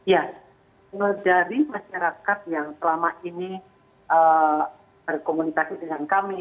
ya dari masyarakat yang selama ini berkomunikasi dengan kami